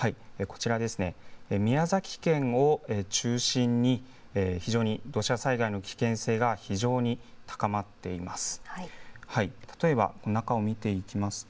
こちら、宮崎県を中心に非常に土砂災害の危険性が非常に高まっています。